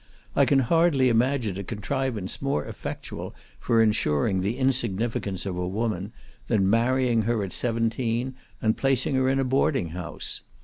I can hardly imagine a contrivance more effectual for ensuring the insignificance of a woman, than marrying her at seventeen, and placing her in a boarding house.